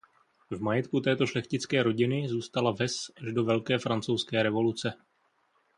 V majetku této šlechtické rodiny zůstala ves až do Velké francouzské revoluce.